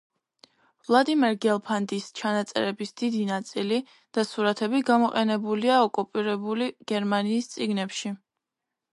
ვლადიმერ გელფანდის ჩანაწერების დიდი ნაწილი და სურათები გამოყენებულია ოკუპირებული გერმანიის წიგნებში.